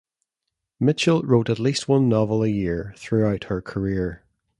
Mitchell wrote at least one novel a year throughout her career.